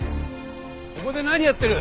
ここで何やってる？